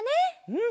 うん。